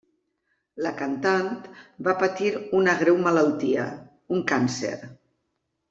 La cantant va patir una greu malaltia, un càncer.